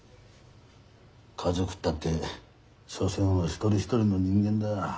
家族ったって所詮は一人一人の人間だ。